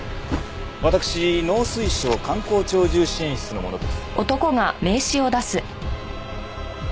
私農水省観光鳥獣支援室の者です。